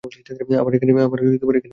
আমার এখানে বদলি হয়েছে।